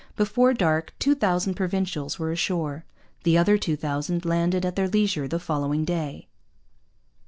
Before dark two thousand Provincials were ashore. The other two thousand landed at their leisure the following day.